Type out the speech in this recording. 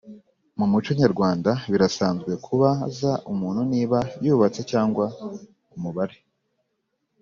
mu muco nyarwanda, birasanzwe kubaza umuntu niba yubatse cyangwa umubare